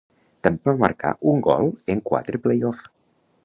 També va marcar un gol en quatre play-off.